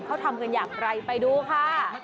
เขาทำกันอย่างไรไปดูค่ะ